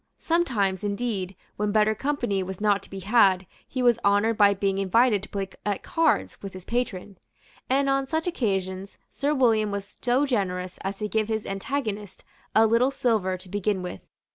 Sometimes, indeed, when better company was not to be had, he was honoured by being invited to play at cards with his patron; and on such occasions Sir William was so generous as to give his antagonist a little silver to begin with.